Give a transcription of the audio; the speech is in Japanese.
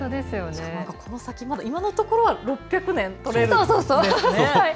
この先まだ今のところは６００年とれるんですね。